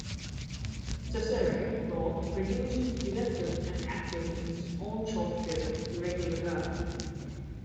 Cecere wrote, produced, directed and acted in his own short film, "The Regular Guy".